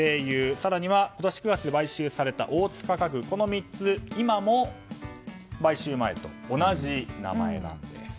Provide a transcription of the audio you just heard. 更には今年９月に買収された大塚家具、この３つ今も買収前と同じ名前なんです。